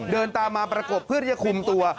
เดินตามมาประกบเพื่อที่จะคุมตัว